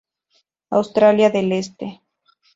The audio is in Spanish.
Australia del este.